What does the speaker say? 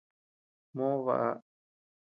Moo baʼa.